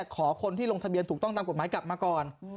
ขอคนที่ลงทะเบียนถูกต้องตามกฎหมายกลับมาก่อน